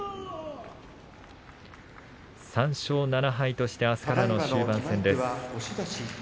３勝７敗としてあすからの終盤戦です。